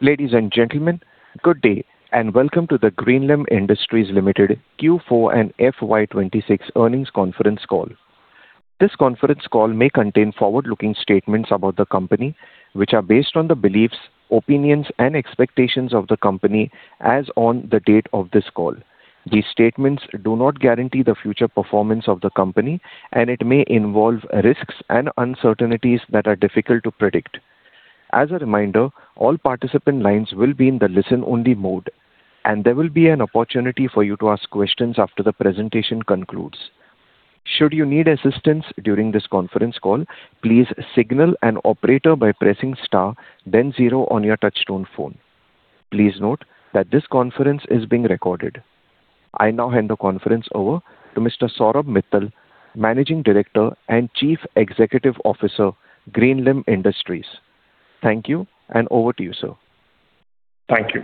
Ladies and gentlemen, good day, and welcome to the Greenlam Industries Limited Q4 and FY 2026 Earnings Conference Call. This conference call may contain forward-looking statements about the company, which are based on the beliefs, opinions, and expectations of the company as on the date of this call. These statements do not guarantee the future performance of the company, and it may involve risks and uncertainties that are difficult to predict. As a reminder, all participant lines will be in the listen-only mode, and there will be an opportunity for you to ask questions after the presentation concludes. Should you need assistance during this conference call, please signal an operator by pressing star then zero on your touchtone phone. Please note that this conference is being recorded. I now hand the conference over to Mr. Saurabh Mittal, Managing Director and Chief Executive Officer, Greenlam Industries. Thank you. Over to you, sir. Thank you.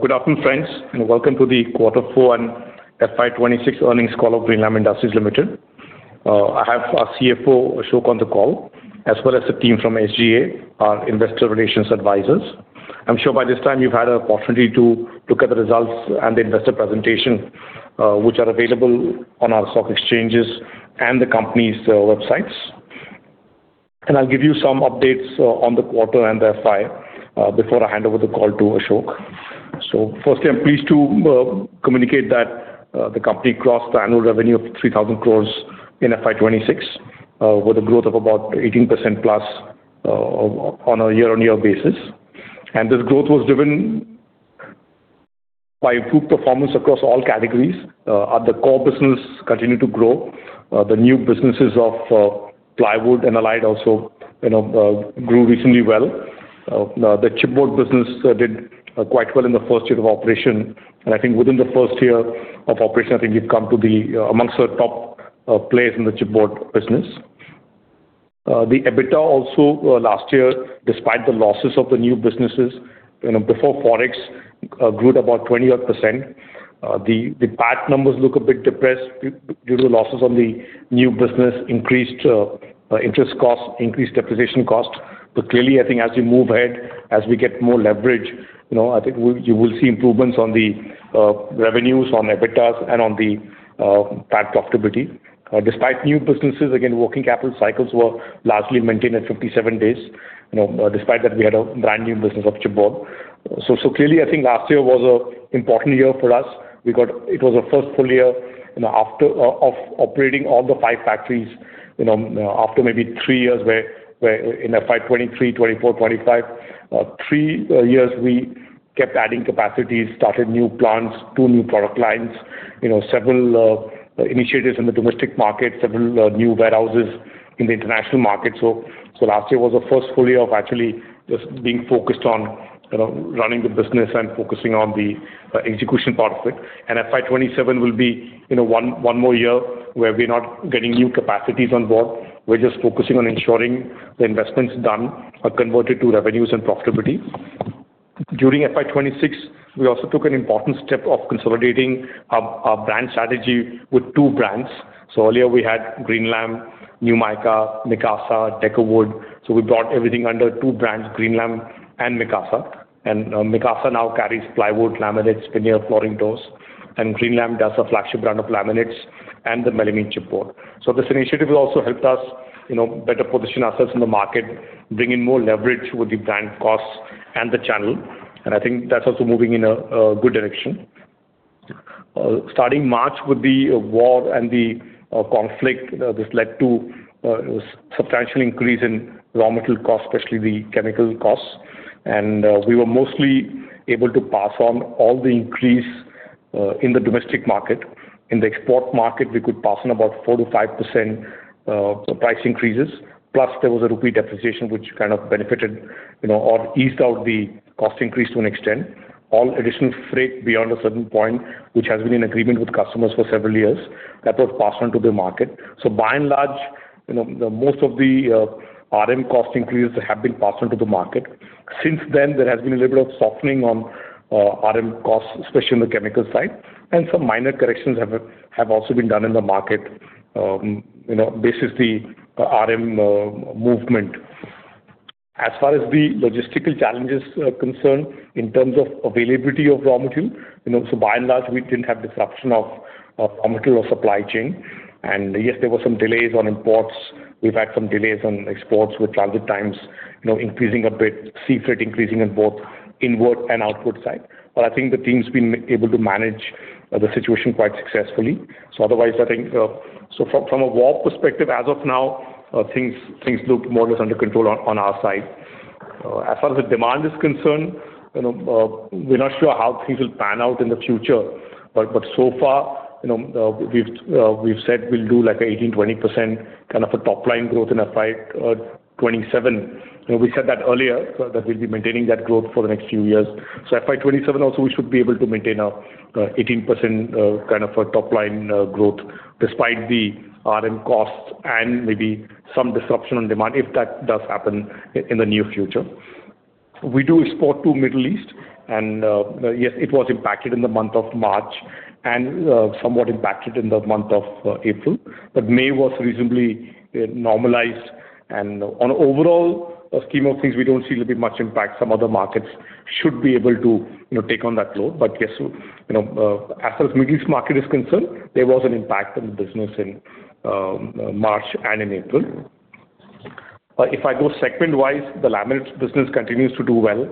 Good afternoon, friends, and welcome to the Quarter Four and FY 2026 earnings call of Greenlam Industries Limited. I have our Chief Financial Officer, Ashok Kumar Sharma, on the call, as well as the team from Strategic Growth Advisors, our investor relations advisors. I am sure by this time you have had an opportunity to look at the results and the investor presentation, which are available on our stock exchanges and the company's websites. I will give you some updates on the quarter and FY before I hand over the call to Ashok. Firstly, I am pleased to communicate that the company crossed the annual revenue of 3,000 crore in FY 2026, with a growth of about 18%+ on a year-on-year basis. This growth was driven by improved performance across all categories. The core business continued to grow. The new businesses of plywood and allied also grew recently well. The chipboard business did quite well in the first year of operation, I think within the first year of operation, I think we've come to be amongst the top players in the chipboard business. The EBITDA also last year, despite the losses of the new businesses, before ForEx, grew at about 20-odd %. The profit after tax numbers look a bit depressed due to losses on the new business, increased interest costs, increased depreciation costs. Clearly, I think as we move ahead, as we get more leverage, I think you will see improvements on the revenues, on EBITDAs, and on the PAT profitability. Despite new businesses, again, working capital cycles were largely maintained at 57 days, despite that we had a brand-new business of chipboard. Clearly, I think last year was an important year for us. It was the first full year of operating all the five factories, after maybe three years where in FY 2023, 2024, 2025, three years we kept adding capacity, started new plants, two new product lines, several initiatives in the domestic market, several new warehouses in the international market. Last year was the first full year of actually just being focused on running the business and focusing on the execution part of it. FY 2027 will be one more year where we're not getting new capacities on board. We're just focusing on ensuring the investments done are converted to revenues and profitability. During FY 2026, we also took an important step of consolidating our brand strategy with two brands. Earlier we had Greenlam, NewMika, Mikasa, Decowood. We brought everything under two brands, Greenlam and Mikasa. Mikasa now carries plywood, laminates, veneer flooring doors, and Greenlam does a flagship brand of laminates and the melamine chipboard. This initiative has also helped us better position ourselves in the market, bring in more leverage with the brand costs and the channel, and I think that's also moving in a good direction. Starting March with the war and the conflict, this led to a substantial increase in raw material costs, especially the chemical costs. We were mostly able to pass on all the increase in the domestic market. In the export market, we could pass on about 4%-5% price increases. Plus, there was a rupee depreciation, which kind of benefited or eased out the cost increase to an extent. All additional freight beyond a certain point, which has been in agreement with customers for several years, that was passed on to the market. By and large, most of the raw material cost increases have been passed on to the market. Since then, there has been a little bit of softening on RM costs, especially on the chemical side, and some minor corrections have also been done in the market basis the RM movement. As far as the logistical challenges are concerned, in terms of availability of raw material, so by and large, we didn't have disruption of raw material or supply chain. Yes, there were some delays on imports. We've had some delays on exports with transit times increasing a bit, sea freight increasing on both inward and outward side. I think the team's been able to manage the situation quite successfully. From a war perspective, as of now, things look more or less under control on our side. As far as the demand is concerned, we're not sure how things will pan out in the future. So far, we've said we'll do 18%-20% kind of a top-line growth in FY 2027. We said that earlier, that we'll be maintaining that growth for the next few years. FY 2027 also, we should be able to maintain our 18% kind of a top-line growth despite the RM costs and maybe some disruption on demand if that does happen in the near future. We do export to Middle East. Yes, it was impacted in the month of March and somewhat impacted in the month of April. May was reasonably normalized and on overall scheme of things, we don't see little bit much impact. Some other markets should be able to take on that load. Yes, as far as Middle East market is concerned, there was an impact on the business in March and in April. If I go segment-wise, the laminates business continues to do well.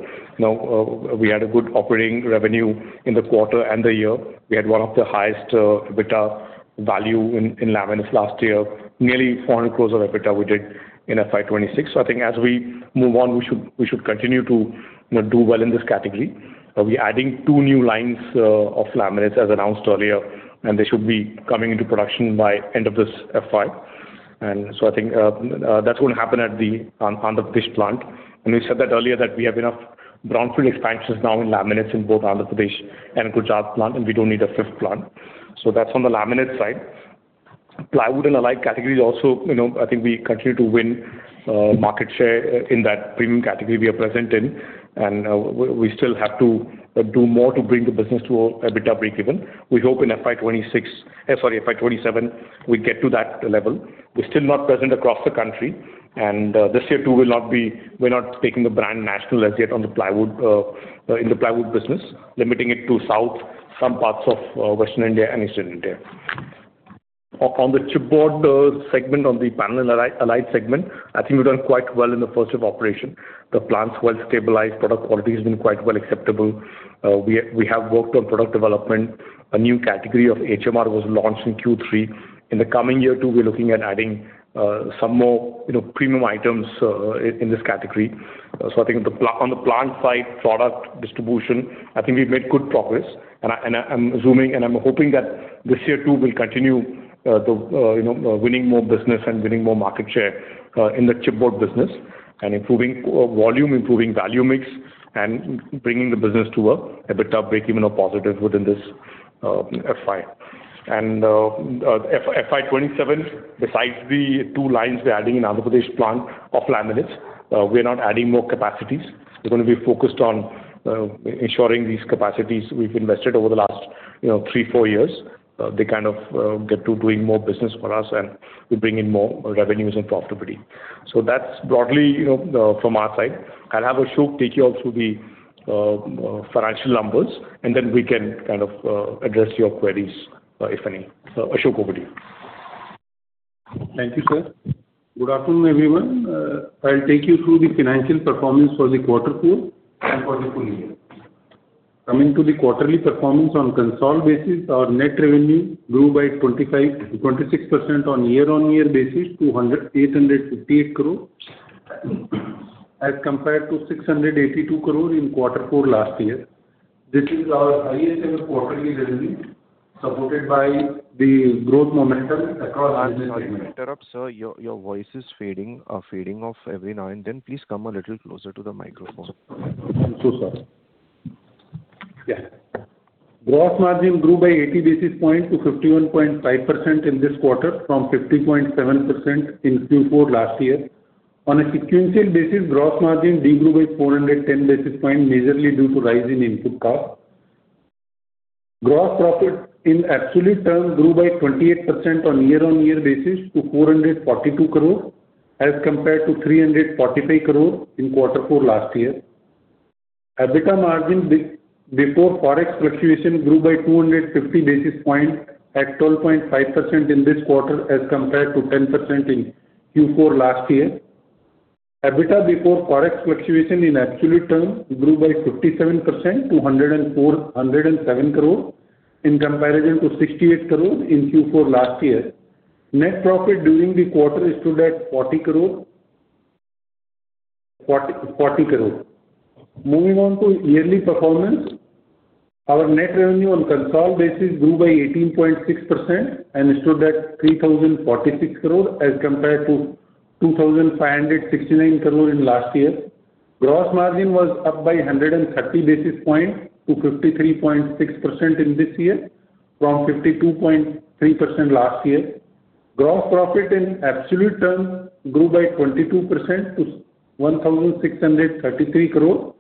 We had a good operating revenue in the quarter and the year. We had one of the highest EBITDA value in laminates last year, nearly 400 crore of EBITDA we did in FY 2026. I think as we move on, we should continue to do well in this category. We're adding two new lines of laminates as announced earlier, and they should be coming into production by end of this FY 2026. I think that's going to happen at the Andhra Pradesh plant. We said that earlier that we have enough brownfield expansions now in laminates in both Andhra Pradesh and Gujarat plant and we don't need a fifth plant. That's on the laminate side. Plywood and allied categories also, I think we continue to win market share in that premium category we are present in and we still have to do more to bring the business to a EBITDA breakeven. We hope in FY 2026, FY 2027 we get to that level. We're still not present across the country and this year too we're not taking the brand national as yet in the plywood business, limiting it to South, some parts of Western India and Eastern India. On the chipboard segment, on the panel and allied segment, I think we've done quite well in the first year of operation. The plant's well-stabilized, product quality has been quite well acceptable. We have worked on product development. A new category of high moisture resistance was launched in Q3. In the coming year too, we're looking at adding some more premium items in this category. I think on the plant side, product distribution, I think we've made good progress and I'm hoping that this year too we'll continue winning more business and winning more market share in the chipboard business and improving volume, improving value mix, and bringing the business to a EBITDA breakeven or positive within this FY 2026. FY 2027, besides the two lines we're adding in Andhra Pradesh plant of laminates, we're not adding more capacities. We're going to be focused on ensuring these capacities we've invested over the last three, four years. They kind of get to doing more business for us and will bring in more revenues and profitability. That's broadly from our side. I'll have Ashok take you through the financial numbers and then we can address your queries, if any. Ashok Kumar Sharma, over to you. Thank you, sir. Good afternoon, everyone. I'll take you through the financial performance for the quarter four and for the full year. Coming to the quarterly performance on consolidated basis, our net revenue grew by 26% on year-on-year basis to 858 crore as compared to 682 crore in quarter four last year. This is our highest ever quarterly revenue supported by the growth momentum across our. Sorry to interrupt, sir. Your voice is fading off every now and then. Please come a little closer to the microphone. I'm so sorry. Yeah. Gross margin grew by 80 basis points to 51.5% in this quarter from 50.7% in Q4 last year. On a sequential basis, gross margin de-grew by 410 basis points, majorly due to rise in input cost. Gross profit in absolute terms grew by 28% on year-on-year basis to 442 crore as compared to 345 crore in quarter four last year. EBITDA margin before ForEx fluctuation grew by 250 basis points at 12.5% in this quarter as compared to 10% in Q4 last year. EBITDA before ForEx fluctuation in absolute terms grew by 57% to 107 crore in comparison to 68 crore in Q4 last year. Net profit during the quarter stood at 40 crore. Moving on to yearly performance. Our net revenue on consolidated basis grew by 18.6% and stood at 3,046 crore as compared to 2,569 crore in last year. Gross margin was up by 130 basis points to 53.6% in this year from 52.3% last year. Gross profit in absolute terms grew by 22% to 1,633 crore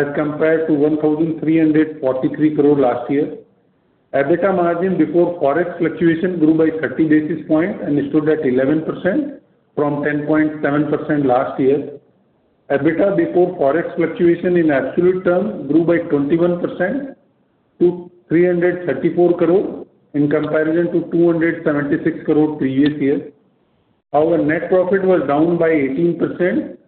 as compared to 1,343 crore last year. EBITDA margin before ForEx fluctuation grew by 30 basis points and stood at 11% from 10.7% last year. EBITDA before ForEx fluctuation in absolute terms grew by 21% to 334 crore in comparison to 276 crore previous year. Our net profit was down by 18% to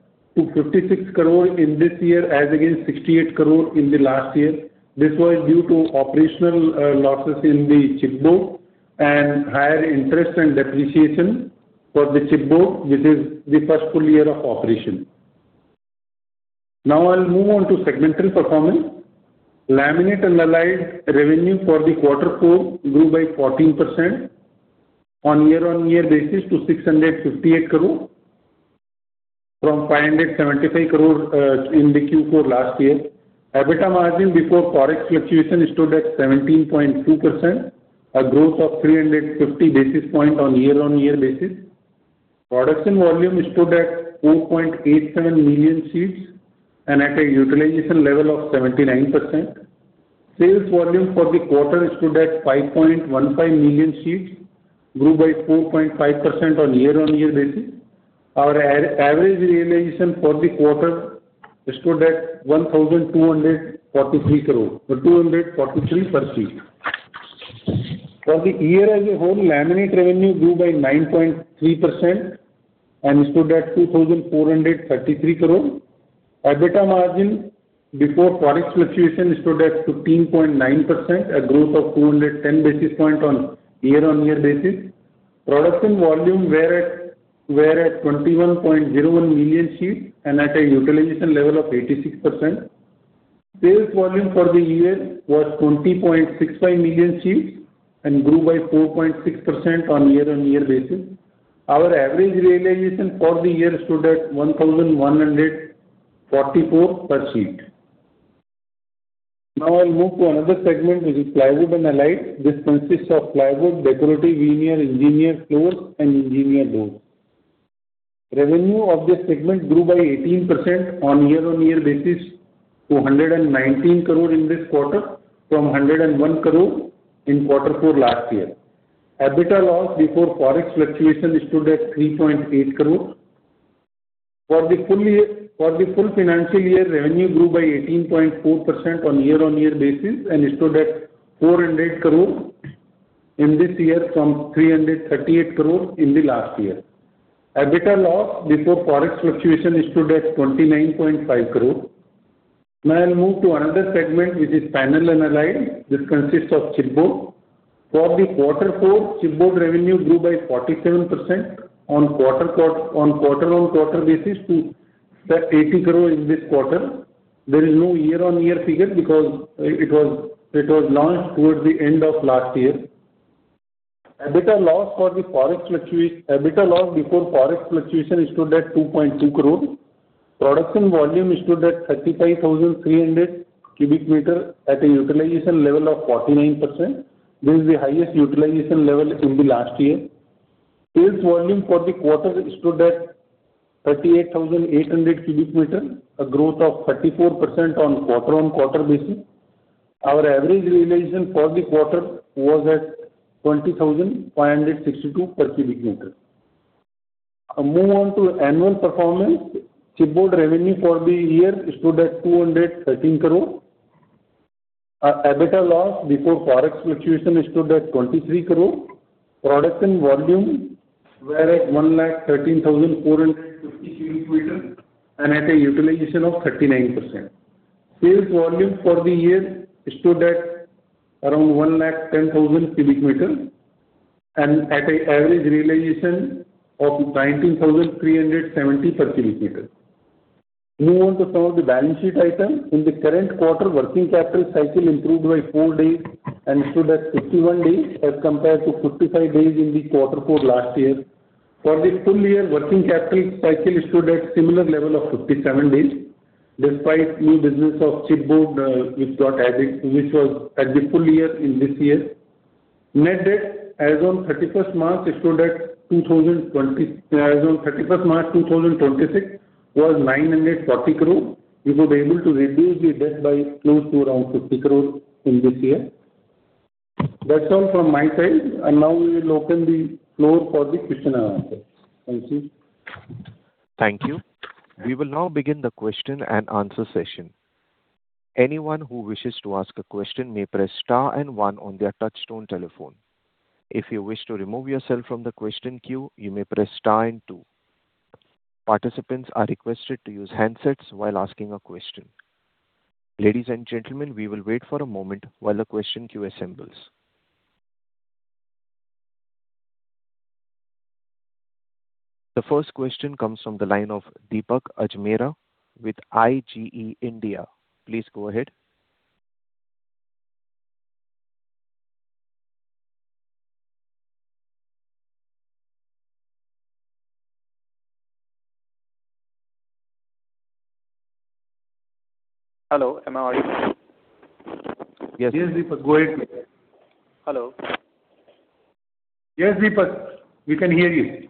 56 crore in this year as against 68 crore in the last year. This was due to operational losses in the chipboard and higher interest and depreciation for the chipboard, which is the first full year of operation. I'll move on to segmental performance. Laminate and allied revenue for the Q4 grew by 14% on year-on-year basis to 658 crore from 575 crore in the Q4 last year. EBITDA margin before ForEx fluctuation stood at 17.2%, a growth of 350 basis points on year-on-year basis. Production volume stood at 4.87 million sheets and at a utilization level of 79%. Sales volume for the quarter stood at 5.15 million sheets, grew by 4.5% on year-on-year basis. Our average realization for the quarter stood at 1,243 crore per sheet. For the year as a whole, laminate revenue grew by 9.3% and stood at 2,433 crore. EBITDA margin before ForEx fluctuation stood at 15.9%, a growth of 210 basis point on year-on-year basis. Production volume were at 21.01 million sheets and at a utilization level of 86%. Sales volume for the year was 20.65 million sheets and grew by 4.6% on year-on-year basis. Our average realization for the year stood at 1,144 per sheet. I'll move to another segment, which is plywood and allied. This consists of plywood, decorative veneer, engineered floors, and engineered doors. Revenue of this segment grew by 18% on year-on-year basis to 119 crore in this quarter from 101 crore in quarter four last year. EBITDA loss before ForEx fluctuation stood at 3.8 crore. For the full financial year, revenue grew by 18.4% on year-on-year basis and stood at 400 crore in this year from 338 crore in the last year. EBITDA loss before ForEx fluctuation stood at 29.5 crore. I'll move to another segment, which is panel and allied. This consists of chipboard. For the quarter four, chipboard revenue grew by 47% on quarter-over-quarter basis to 80 crore in this quarter. There is no year-over-year figure because it was launched towards the end of last year. EBITDA loss before ForEx fluctuation stood at 2.2 crore. Production volume stood at cu m at a utilization level of 49%, this is the highest utilization level in the last year. Sales volume for the quarter stood at 38,800 cu m, a growth of 34% on quarter-over-quarter basis. Our average realization for the quarter was at 20,562 per cubic meter. I move on to annual performance. Chipboard revenue for the year stood at 213 crore. Our EBITDA loss before ForEx fluctuation stood at 23 crore. Production volume were at 113,450 cu m and at a utilization of 39%. Sales volume for the year stood at around 110,000 cu m and at an average realization of INR 19,370 per cubic meter. Move on to some of the balance sheet item. In the current quarter, working capital cycle improved by four days and stood at 51 days as compared to 55 days in the Quarter four last year. For the full year, working capital cycle stood at similar level of 57 days, despite new business of chipboard, which was at the full year in this year. Net debt as on 31st March, 2026 was 940 crore. We were able to reduce the debt by close to around 50 crore in this year. That's all from my side. Now we will open the floor for the question and answer. Thank you. Thank you. We will now begin the question and answer session. Anyone who wishes to ask a question may press star and one on their touchtone telephone. If you wish to remove yourself from the question queue, you may press star and two. Participants are requested to use handsets while asking a question. Ladies and gentlemen, we will wait for a moment while the question queue assembles. The first question comes from the line of Deepak Ajmera with IGE India. Please go ahead. Hello, am I? Yes, Deepak, go ahead. Hello. Yes, Deepak, we can hear you.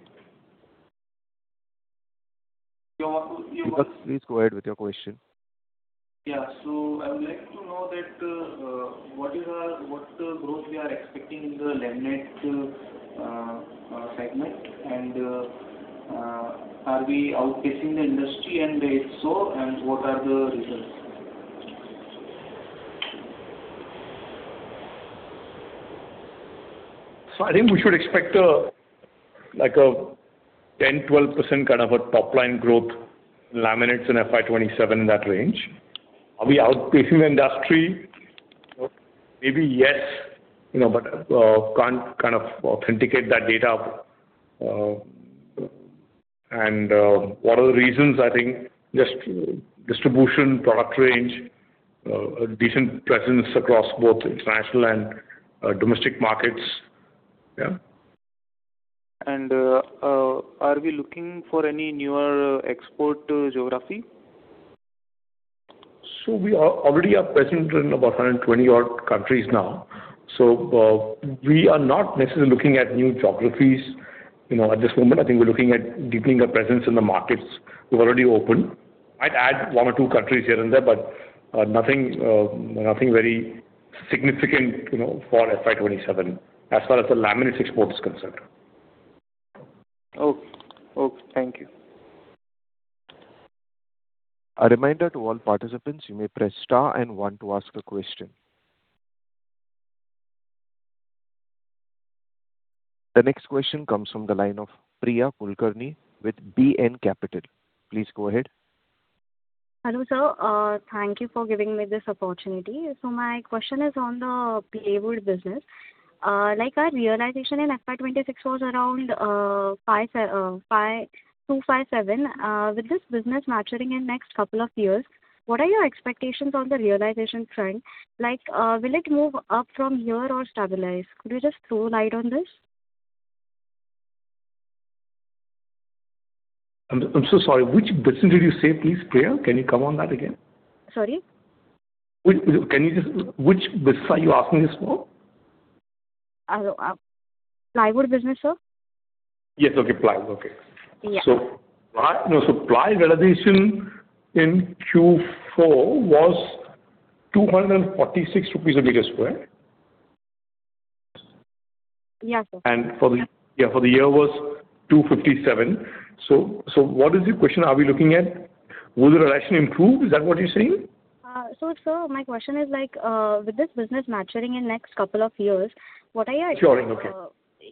You want to. Deepak, please go ahead with your question. Yeah. I would like to know what growth you are expecting in the laminate segment, and are we outpacing the industry, and if so, what are the reasons? I think we should expect like a 10%-12% kind of a top-line growth in laminates in FY 2027, in that range. Are we outpacing the industry? Maybe, yes. Can't authenticate that data. What are the reasons? I think just distribution, product range, a decent presence across both international and domestic markets. Yeah. Are we looking for any newer export geography? We are already present in about 120 odd countries now. We are not necessarily looking at new geographies at this moment. I think we're looking at deepening our presence in the markets we've already opened. Might add one or two countries here and there, but nothing very significant for FY 2027 as far as the laminate export is concerned. Okay. Thank you. A reminder to all participants, you may press star and one to ask a question. The next question comes from the line of Priya Kulkarni with BNK Capital. Please go ahead. Hello, sir. Thank you for giving me this opportunity. My question is on the plywood business. Like our realization in FY 2026 was around INR 257. With this business maturing in next couple of years, what are your expectations on the realization front? Will it move up from here or stabilize? Could you just throw a light on this? I'm so sorry. Which business did you say, please, Priya? Can you come on that again? Sorry? Which business are you asking this for? Plywood business, sir. Yes. Okay, plywood. Okay. Yeah. Plywood realization in Q4 was 246 rupees a meter square. Yeah, sir. For the year was 257. What is the question are we looking at? Will the realization improve? Is that what you're saying? Sir, my question is, with this business maturing in next couple of years, what are your. Sure. Okay.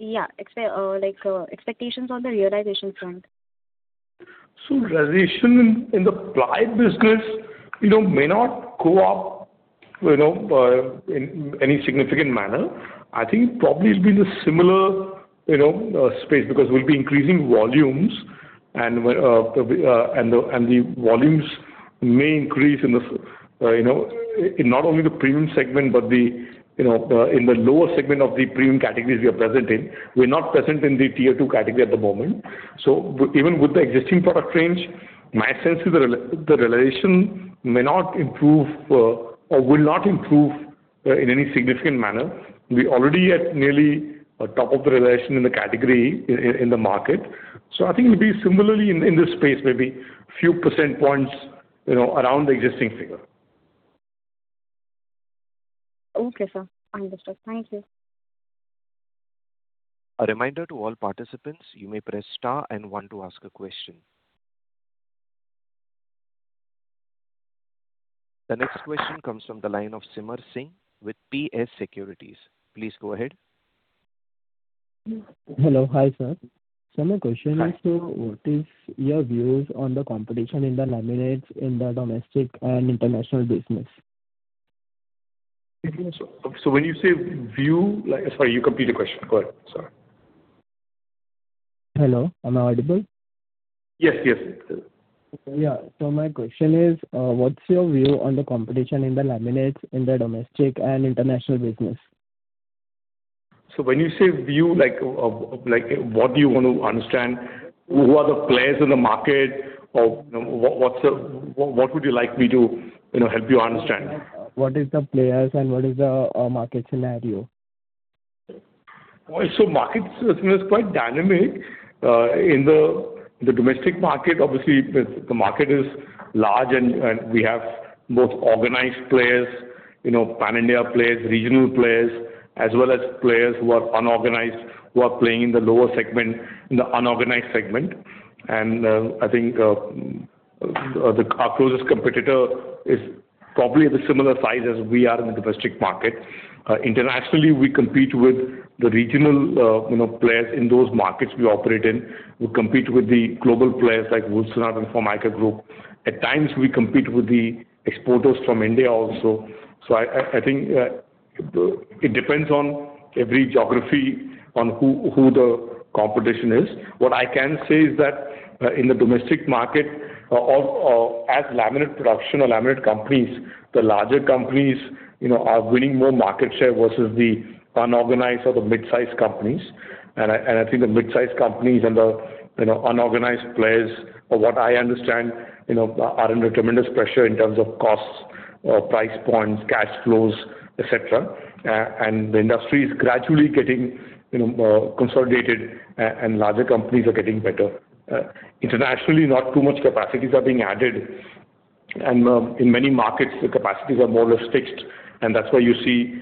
Yeah. Expectations on the realization front? Realization in the ply business may not go up in any significant manner. I think probably it'll be in a similar space because we'll be increasing volumes, and the volumes may increase in not only the premium segment but in the lower segment of the premium categories we are present in. We're not present in the Tier 2 category at the moment. Even with the existing product range, my sense is the realization may not improve or will not improve in any significant manner. We are already at nearly top of the realization in the category in the market. I think it'll be similarly in this space, maybe few percent points around the existing figure. Okay, sir. Understood. Thank you. A reminder to all participants, you may press star and one to ask a question. The next question comes from the line of Simranjeet Singh with PS Securities. Please go ahead. Hello. Hi, sir. Hi. What is your views on the competition in the laminates in the domestic and international business? When you say view, sorry, you repeat the question. Go ahead. Sorry. Hello, am I audible? Yes. Yeah. My question is, what's your view on the competition in the laminates in the domestic and international business? When you say view, what do you want to understand? Who are the players in the market? What would you like me to help you understand? What is the players and what is the market scenario? Market is quite dynamic. In the domestic market, obviously, the market is large, and we have both organized players, pan-India players, regional players, as well as players who are unorganized, who are playing in the lower segment, in the unorganized segment. I think our closest competitor is probably of a similar size as we are in the domestic market. Internationally, we compete with the regional players in those markets we operate in. We compete with the global players like Wilsonart and Formica Group. At times, we compete with the exporters from India also. I think it depends on every geography on who the competition is. What I can say is that in the domestic market as laminate production or laminate companies, the larger companies are winning more market share versus the unorganized or the mid-size companies. I think the mid-size companies and the unorganized players, from what I understand, are under tremendous pressure in terms of costs, price points, cash flows, et cetera. The industry is gradually getting consolidated, and larger companies are getting better. Internationally, not too much capacities are being added, and in many markets, the capacities are more or less fixed, and that's why you see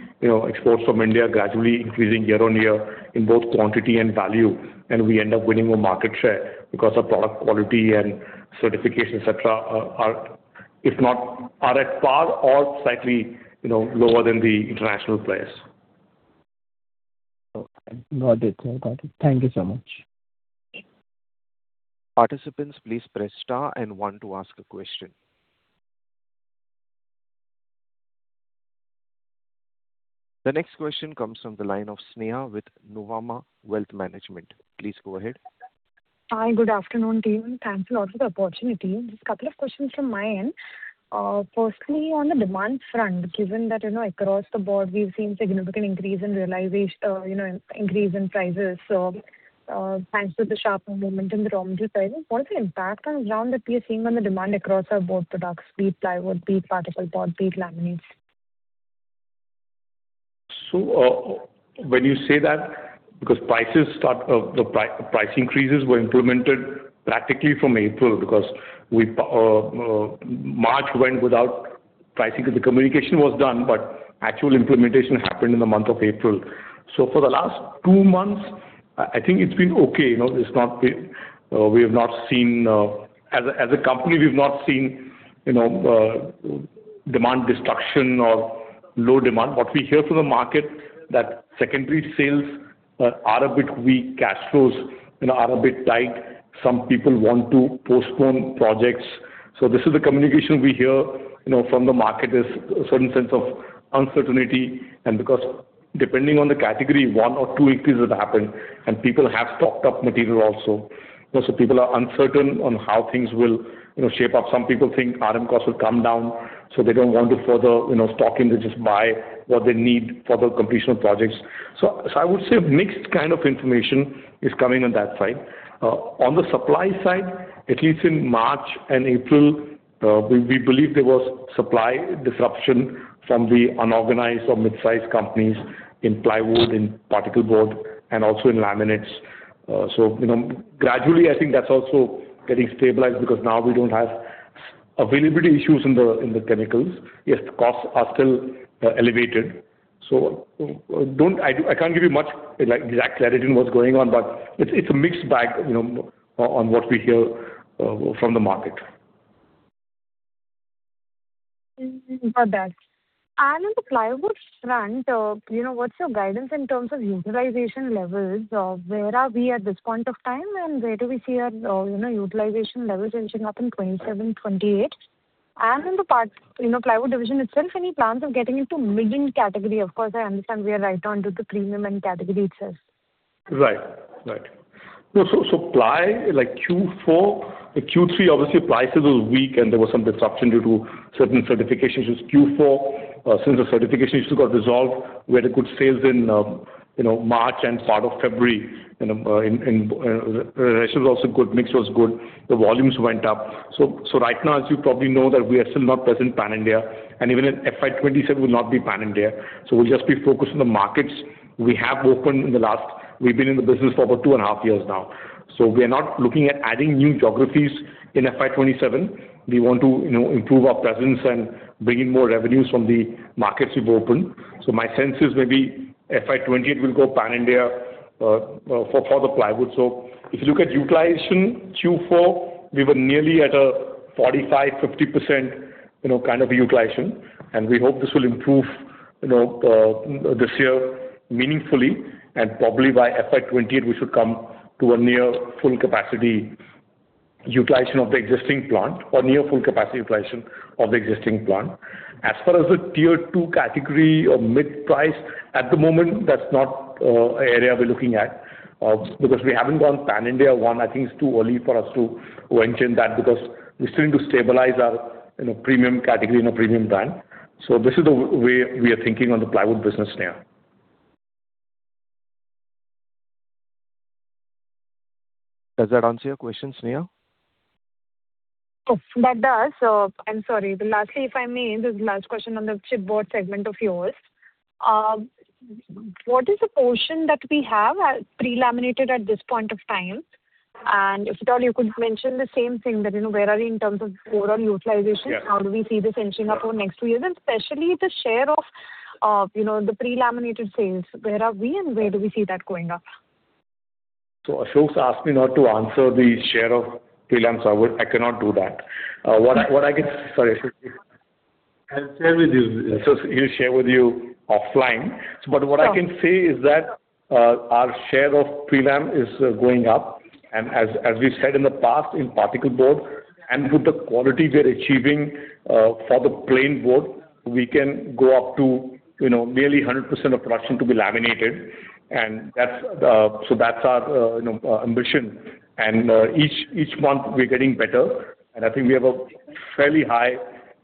exports from India gradually increasing year-on-year in both quantity and value. We end up winning more market share because our product quality and certification, et cetera, are at par or slightly lower than the international players. Okay. Noted. Thank you so much. Participants, please press star and one to ask a question. The next question comes from the line of Sneha with Nuvama Wealth Management. Please go ahead. Hi. Good afternoon, team. Thanks a lot for the opportunity. Just couple of questions from my end. Firstly, on the demand front, given that across the board we've seen significant increase in prices, thanks to the sharper movement in the raw material prices, what is the impact on ground that we are seeing on the demand across our board products, be it plywood, be it particle board, be it laminates? When you say that, because the price increases were implemented practically from April, because March went without pricing. Communication was done, actual implementation happened in the month of April. For the last two months, I think it's been okay. As a company, we've not seen demand destruction or low demand. What we hear from the market, that secondary sales are a bit weak, cash flows are a bit tight. Some people want to postpone projects. This is the communication we hear from the market, is a certain sense of uncertainty, and because depending on the category, one or two increases have happened, and people have stocked up material also. People are uncertain on how things will shape up. Some people think RM costs will come down, they don't want to further stock in. They just buy what they need for the completion of projects. I would say mixed kind of information is coming on that side. On the supply side, at least in March and April, we believe there was supply disruption from the unorganized or mid-size companies in plywood, in particle board, and also in laminates. Gradually, I think that's also getting stabilized because now we don't have availability issues in the chemicals, yet costs are still elevated. I can't give you much exact clarity on what's going on, but it's a mixed bag on what we hear from the market. Got that. On the plywood front, what's your guidance in terms of utilization levels? Where are we at this point of time, and where do we see our utilization levels inching up in FY 2027/FY 2028? In the parts plywood division itself, any plans of getting into mid-end category? Of course, I understand we are right on to the premium end category itself. Right. supply, like Q4. Q3, obviously, prices were weak and there was some disruption due to certain certifications. Q4, since the certification issue got resolved, we had a good sales in March and part of February. Ratios were also good, mix was good. The volumes went up. Right now, as you probably know, that we are still not present pan-India, and even in FY 2027 we'll not be pan-India. We'll just be focused on the markets we have opened. We've been in the business for over two and a half years now. We are not looking at adding new geographies in FY 2027. We want to improve our presence and bring in more revenues from the markets we've opened. My sense is maybe FY 2028 we'll go pan-India for the plywood. If you look at utilization Q4, we were nearly at a 45%-50% kind of utilization. We hope this will improve this year meaningfully, and probably by FY 2028, we should come to a near full capacity utilization of the existing plant. As far as the Tier 2 category or mid price, at the moment, that's not an area we're looking at because we haven't gone pan-India. One, I think it's too early for us to venture in that because we still need to stabilize our premium category and our premium brand. This is the way we are thinking on the plywood business now. Does that answer your question, Sneha? That does. I'm sorry. Lastly, if I may, this is the last question on the chipboard segment of yours. What is the portion that we have pre-laminated at this point of time? If at all you could mention the same thing, that where are we in terms of overall utilization. Yes How do we see this inching up over next two years? Especially the share of the pre-laminated sales, where are we and where do we see that going up? Ashok asked me not to answer the share of pre-laminated, so I cannot do that. Sorry, Ashok. I'll share with you. He'll share with you offline. Sure. What I can say is that our share of pre-laminated is going up. As we've said in the past, in particle board, and with the quality we are achieving for the plain board, we can go up to nearly 100% of production to be laminated. That's our ambition. Each month we're getting better, and I think we have a fairly high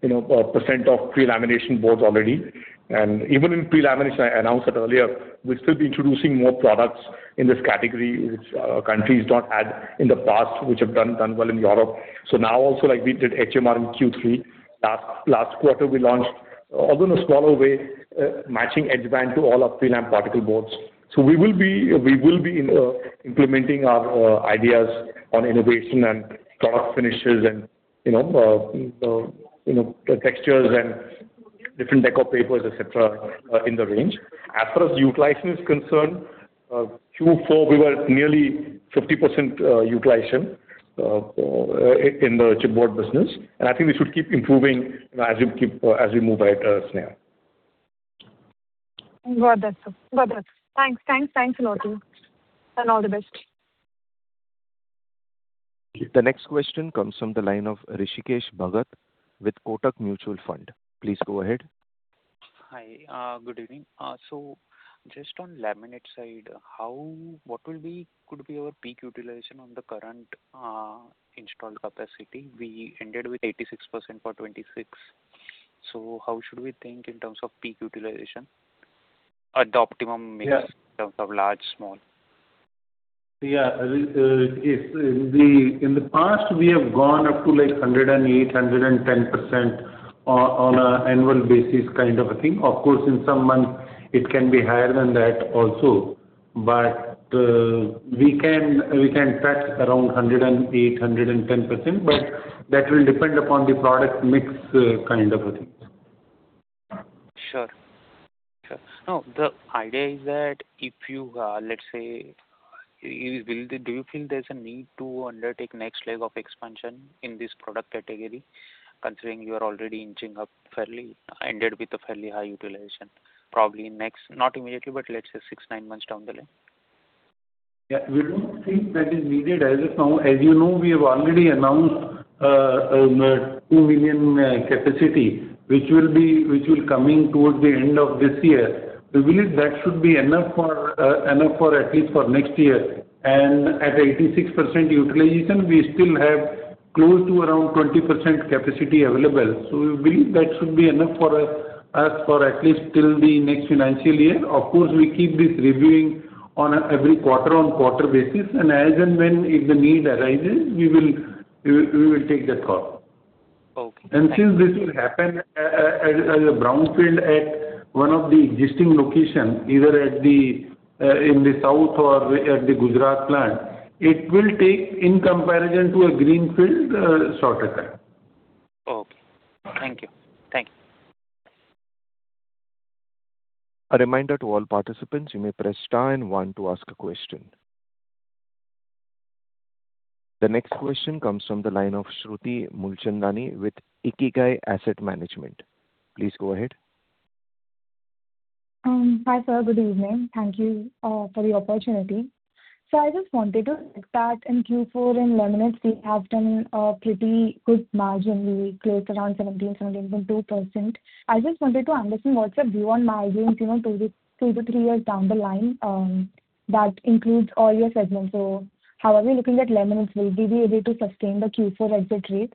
percent of pre-laminated boards already. Even in pre-lamination, I announced that earlier, we'll still be introducing more products in this category which countries don't have in the past, which have done well in Europe. Now also, like we did HMR in Q3. Last quarter we launched, although in a smaller way, matching edge band to all our pre-laminated particle boards. We will be implementing our ideas on innovation and product finishes and the textures and different decor papers, et cetera, in the range. As far as utilization is concerned, Q4 we were nearly 50% utilization in the chipboard business. I think we should keep improving as we move ahead, Sneha. Got that, sir. Got that. Thanks a lot, sir. All the best. The next question comes from the line of Hrishikesh Bhagat with Kotak Mutual Fund. Please go ahead. Hi. Good evening. Just on laminate side, what could be our peak utilization on the current installed capacity? We ended with 86% for 2026. How should we think in terms of peak utilization at the optimum mix? Yeah. In terms of large, small? Yeah. In the past, we have gone up to 108%, 110% on an annual basis kind of a thing. Of course, in some months it can be higher than that also. We can track around 108%, 110%, but that will depend upon the product mix kind of a thing. The idea is that, let's say, do you feel there's a need to undertake next leg of expansion in this product category, considering you are already inching up, ended with a fairly high utilization, probably next, not immediately, but let's say six, nine months down the line? Yeah. We don't think that is needed as of now. As you know, we have already announced 2 million capacity, which will be coming towards the end of this year. We believe that should be enough at least for next year. At 86% utilization, we still have close to around 20% capacity available. We believe that should be enough for us for at least till the next financial year. Of course, we keep this reviewing on every quarter-over-quarter basis, and as and when, if the need arises, we will take that call. Okay. Since this will happen as a brownfield at one of the existing locations, either in the south or at the Gujarat plant, it will take, in comparison to a greenfield, a shorter time. Okay. Thank you. A reminder to all participants, you may press star and one to ask a question. The next question comes from the line of Shruti Mulchandani with Ikigai Asset Management. Please go ahead. Hi, sir. Good evening. Thank you for the opportunity. I just wanted to get that in Q4 in laminates you have done a pretty good margin, close around 17%, 17.2%. I just wanted to understand what's your view on margins even two to three years down the line. That includes all your segments. How are we looking at laminates? Will we be able to sustain the Q4 exit rate?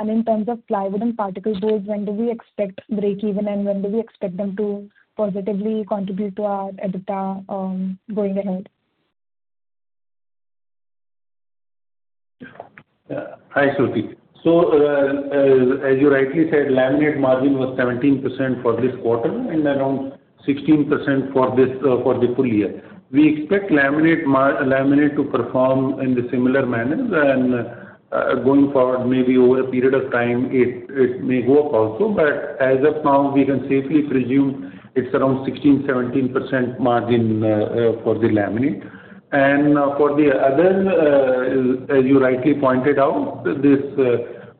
In terms of plywood and particle boards, when do we expect breakeven and when do we expect them to positively contribute to our EBITDA, going ahead? Hi, Shruti. As you rightly said, laminate margin was 17% for this quarter and around 16% for the full year. We expect laminate to perform in the similar manner and, going forward, maybe over a period of time, it may go up also. As of now, we can safely presume it's around 16%, 17% margin for the laminate. For the others, as you rightly pointed out, this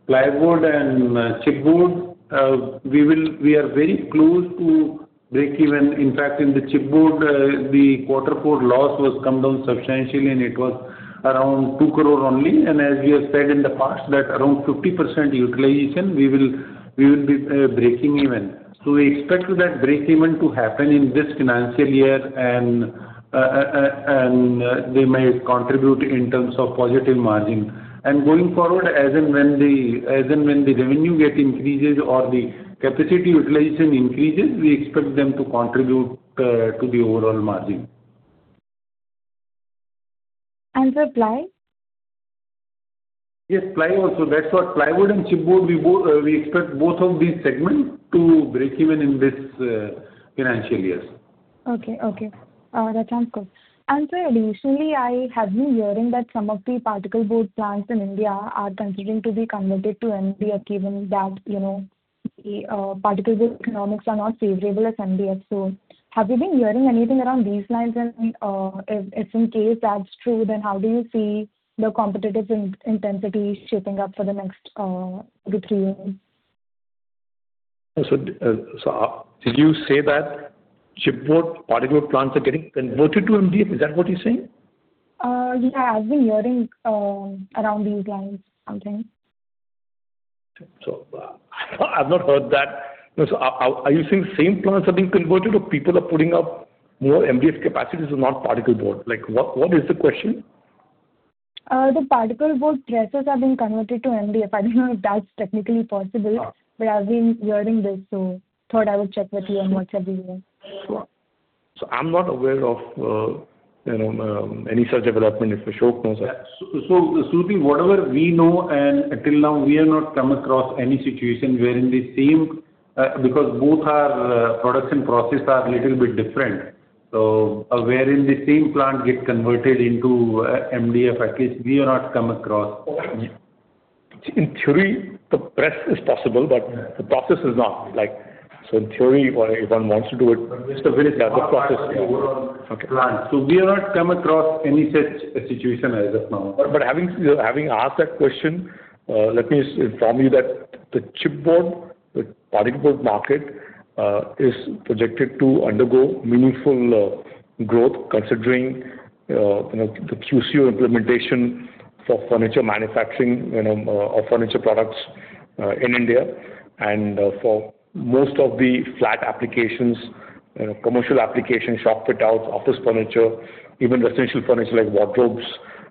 plywood and chipboard, we are very close to breakeven. In fact, in the chipboard, the quarter four loss was come down substantially, it was around 2 crore only. As we have said in the past, that around 50% utilization, we will be breaking even. We expect that breakeven to happen in this financial year, they may contribute in terms of positive margin. Going forward, as and when the revenue get increases or the capacity utilization increases, we expect them to contribute to the overall margin. Sir, plywood? Yes, plywood also. That's why plywood and chipboard, we expect both of these segments to break even in this financial year. Okay. That sounds good. Sir, additionally, I have been hearing that some of the particle board plants in India are considering to be converted to MDF given that the particle board economics are not favorable as MDF. Have you been hearing anything around these lines? If in case that's true, how do you see the competitive intensity shaping up for the next two, three years? Did you say that chipboard, particle board plants are getting converted to MDF? Is that what you're saying? Yeah, I've been hearing around these lines something. I've not heard that. No. Are you saying the same plants are being converted or people are putting up more MDF capacities and not particle board? What is the question? The particle board presses are being converted to MDF. I don't know if that's technically possible, but I've been hearing this, so thought I would check with you on what's the view. I'm not aware of any such development. If Ashok knows. Shruti, whatever we know, and until now, we have not come across any situation Because both our production process are little bit different, wherein the same plant get converted into MDF, at least we have not come across. In theory, the process is possible, but the process is not. In theory, if one wants to do it, but the process itself We have not come across any such situation as of now. Having asked that question, let me inform you that the chipboard, the particle board market, is projected to undergo meaningful growth considering the QCO implementation for furniture manufacturing of furniture products in India for most of the flat applications, commercial applications, shop fit outs, office furniture, even residential furniture like wardrobes.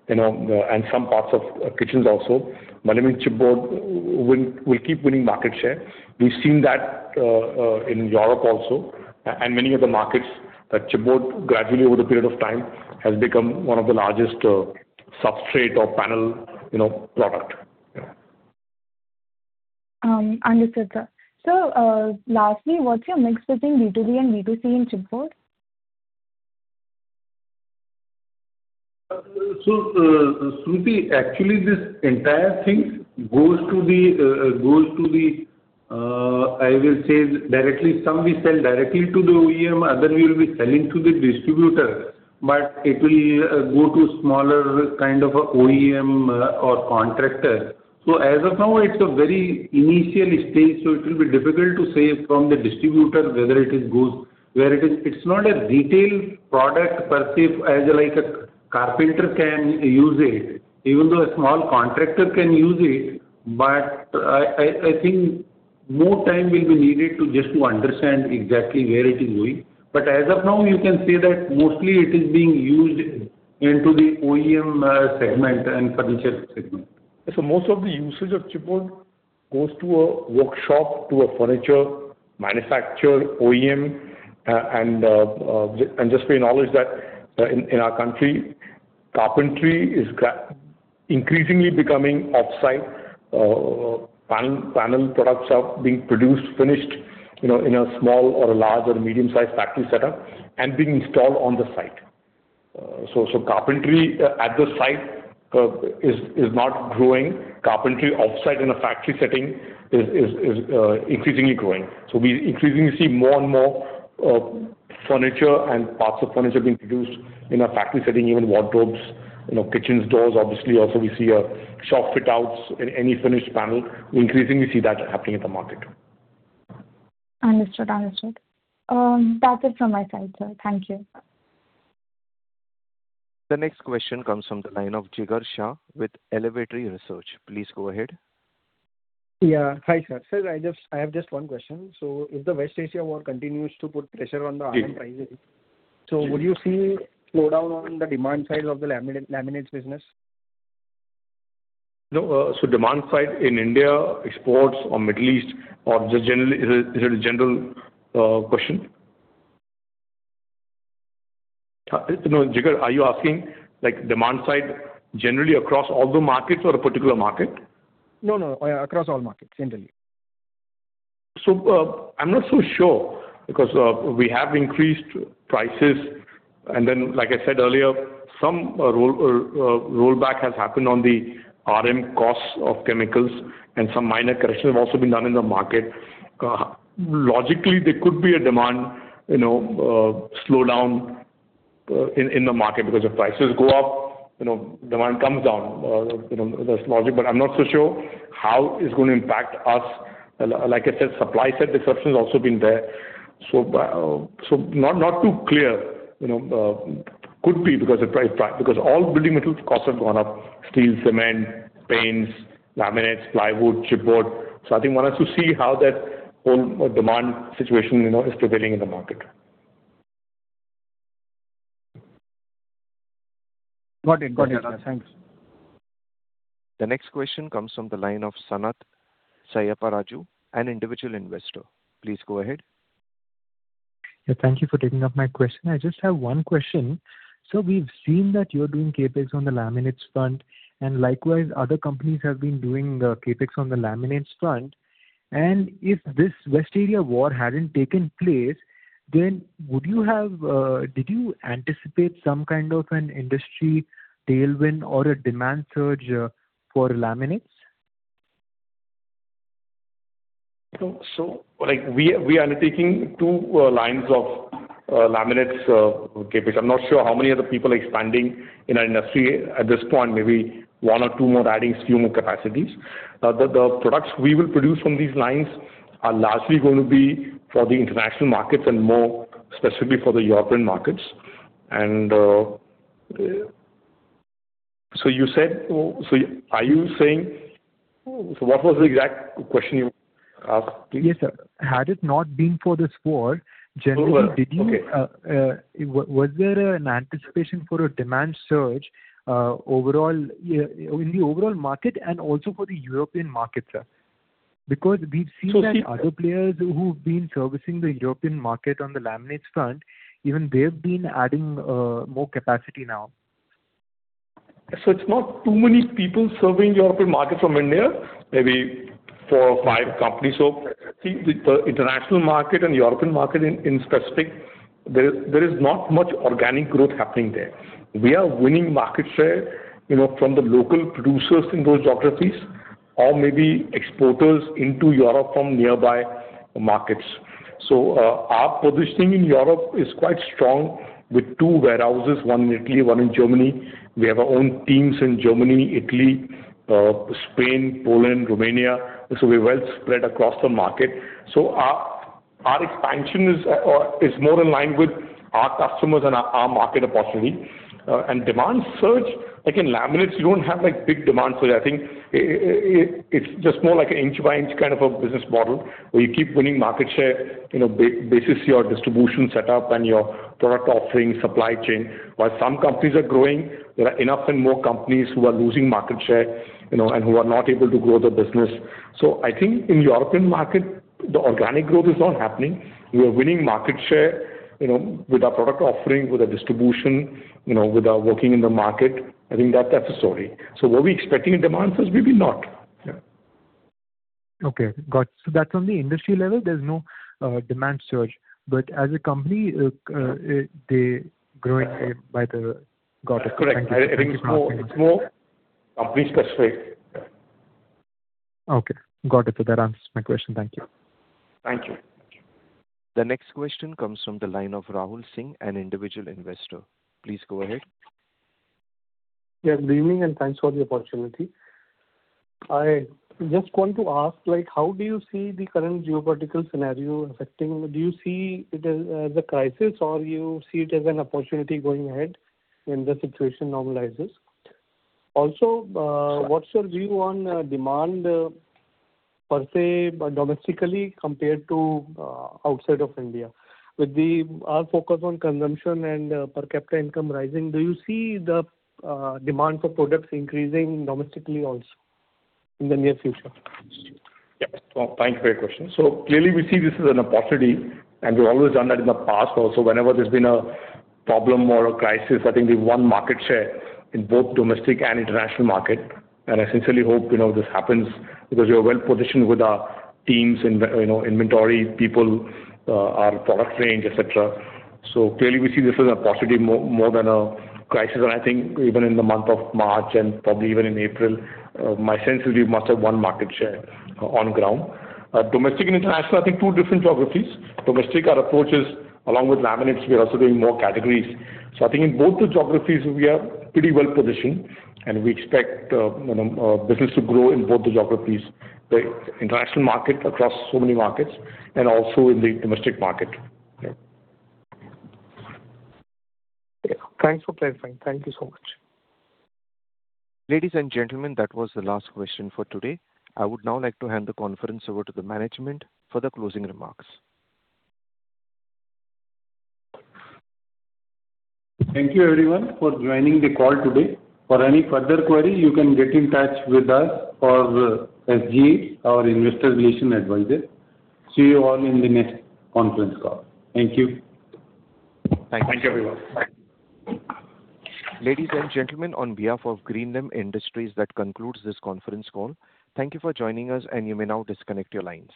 Some parts of kitchens also. Laminate chipboard will keep winning market share. We've seen that in Europe also and many other markets that chipboard gradually over the period of time has become one of the largest substrate or panel product. Understood, sir. Sir, lastly, what's your mix between B2B and B2C in chipboard? Shruti, actually, this entire thing goes to the, I will say directly, some we sell directly to the original equipment manufacturer, other we will be selling to the distributor, but it will go to smaller kind of a OEM or contractor. As of now, it's a very initial stage, it will be difficult to say from the distributor whether it goes where it is. It's not a retail product per se as like a carpenter can use it, even though a small contractor can use it, but I think more time will be needed just to understand exactly where it is going. As of now, you can say that mostly it is being used into the OEM segment and furniture segment. Most of the usage of chipboard goes to a workshop, to a furniture manufacturer, OEM, and just for your knowledge that in our country, carpentry is increasingly becoming offsite. Panel products are being produced, finished in a small or a large or medium-sized factory setup and being installed on the site. Carpentry at the site is not growing. Carpentry offsite in a factory setting is increasingly growing. We increasingly see more and more furniture and parts of furniture being produced in a factory setting, even wardrobes, kitchens, doors, obviously. Also we see shop fit outs in any finished panel. We increasingly see that happening in the market. Understood. That's it from my side, sir. Thank you. The next question comes from the line of Jigar Shah with AK Advisors. Please go ahead. Yeah. Hi, sir. Sir, I have just one question. If the West Asia war continues to put pressure on the RM prices. Yes. Would you see slowdown on the demand side of the laminates business? No. Demand side in India, exports or Middle East, or just generally? Is it a general question? No, Jigar, are you asking like demand side generally across all the markets or a particular market? No, across all markets. Generally. I'm not so sure because we have increased prices and then like I said earlier, some rollback has happened on the RM costs of chemicals and some minor correction have also been done in the market. Logically, there could be a demand slowdown in the market because if prices go up, demand comes down. That's logic. I'm not so sure how it's going to impact us. Like I said, supply side disruption has also been there. Not too clear. Could be because all building materials costs have gone up, steel, cement, paints, laminates, plywood, chipboard. I think one has to see how that whole demand situation is prevailing in the market. Got it. Thanks. The next question comes from the line of Sanath Sayaparaju, an individual investor. Please go ahead. Yeah. Thank you for taking up my question. I just have one question. Sir, we've seen that you're doing CapEx on the laminates front, and likewise, other companies have been doing the CapEx on the laminates front, and if this West Asia war hadn't taken place, then did you anticipate some kind of an industry tailwind or a demand surge for laminates? We are undertaking two lines of laminates CapEx. I'm not sure how many other people are expanding in our industry at this point. Maybe one or two more adding few more capacities. The products we will produce from these lines are largely going to be for the international markets and more specifically for the European markets. Are you saying? What was the exact question you were asking? Yes, sir. Had it not been for this war generally, was there an anticipation for a demand surge in the overall market and also for the European market, sir? We've seen that other players who've been servicing the European market on the laminates front, even they've been adding more capacity now. It's not too many people serving European market from India, maybe four or five companies. See, with the international market and European market in specific, there is not much organic growth happening there. We are winning market share from the local producers in those geographies or maybe exporters into Europe from nearby markets. Our positioning in Europe is quite strong with two warehouses, one in Italy, one in Germany. We have our own teams in Germany, Italy, Spain, Poland, Romania. We're well spread across the market. Our expansion is more in line with our customers and our market opportunity. Demand surge, like in laminates, you don't have big demand surge. I think it's just more like an inch by inch kind of a business model, where you keep winning market share, basis your distribution setup and your product offering, supply chain. While some companies are growing, there are enough and more companies who are losing market share, and who are not able to grow their business. I think in European market, the organic growth is not happening. We are winning market share with our product offering, with our distribution, with our working in the market. I think that's the story. Were we expecting a demand surge? Maybe not. Yeah. Okay. Got you. That's on the industry level, there's no demand surge, but as a company, they growing. Correct. Thank you. It's more company specific. Okay. Got it. That answers my question. Thank you. Thank you. The next question comes from the line of Rahul Singh, an individual investor. Please go ahead. Yeah, good evening, and thanks for the opportunity. I just want to ask, how do you see the current geopolitical scenario affecting? Do you see it as a crisis, or you see it as an opportunity going ahead when the situation normalizes? Also, what's your view on demand per se domestically compared to outside of India? With our focus on consumption and per capita income rising, do you see the demand for products increasing domestically also in the near future? Thank you for your question. Clearly, we see this as an opportunity, and we've always done that in the past also. Whenever there's been a problem or a crisis, I think we've won market share in both domestic and international market, and I sincerely hope this happens because we're well-positioned with our teams, inventory, people, our product range, et cetera. Clearly, we see this as an opportunity more than a crisis. I think even in the month of March and probably even in April, my sense is we must have won market share on ground. Domestic and international, I think two different geographies. Domestic, our approach is, along with laminates, we are also doing more categories. I think in both the geographies, we are pretty well-positioned, and we expect business to grow in both the geographies, the international market across so many markets and also in the domestic market. Yeah. Yeah. Thanks for clarifying. Thank you so much. Ladies and gentlemen, that was the last question for today. I would now like to hand the conference over to the management for the closing remarks. Thank you everyone for joining the call today. For any further query, you can get in touch with us or SGA, our investor relation advisor. See you all in the next conference call. Thank you. Thank you everyone. Ladies and gentlemen, on behalf of Greenlam Industries, that concludes this conference call. Thank you for joining us, and you may now disconnect your lines.